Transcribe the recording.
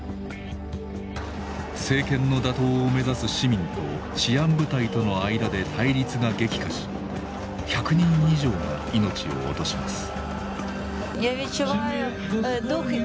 政権の打倒を目指す市民と治安部隊との間で対立が激化し１００人以上が命を落とします。